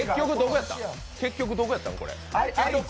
結局これ、どこやったん？